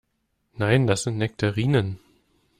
Nein, das sind Nektarinen.